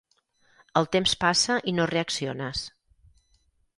El temps passa i no reacciones.